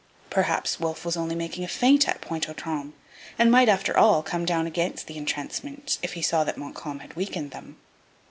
Perhaps Wolfe was only making a feint at Pointe aux Trembles, and might, after all, come down against the entrenchments if he saw that Montcalm had weakened them.